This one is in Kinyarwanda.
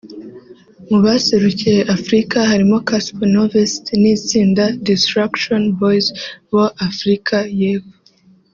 Mu baserukiye Afurika harimo Cassper Nyovest n’itsinda Distruction Boyz [boAfurika y’Epfo]